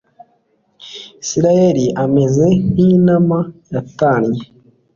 isirayeli ameze nk'intama yatannye